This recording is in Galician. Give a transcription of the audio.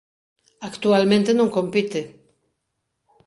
Actualmente non compite.